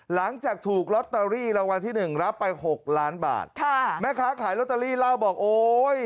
หลังจากถูกลอตเตอรี่รางวัลที่หนึ่งรับไปหกล้านบาทค่ะแม่ค้าขายลอตเตอรี่เล่าบอกโอ้ย